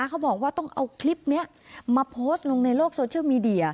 เขาบอกว่าต้องเอาคลิปนี้มาโพสต์ลงในโลกโซเชียลมีเดีย